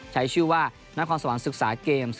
ใช้ชื่อว่านครสวรรค์ศึกษาเกม